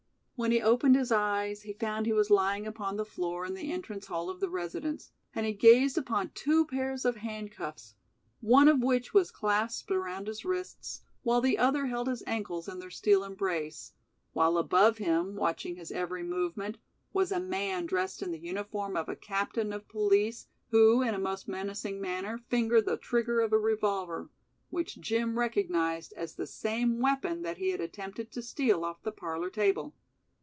When he opened his eyes he found he was lying upon the floor in the entrance hall of the residence, and he gazed upon two pairs of handcuffs, one of which was clasped around his wrists, while the other held his ankles in their steel embrace, while above him, watching his every movement, was a man dressed in the uniform of a captain of police who in a most menacing manner fingered the trigger of a revolver, which Jim recognized as the same weapon that he had attempted to steal off the parlor table.